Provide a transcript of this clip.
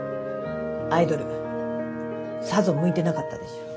アイドルさぞ向いてなかったでしょ？